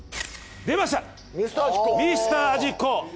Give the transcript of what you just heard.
出ました『ミスター味っ子』。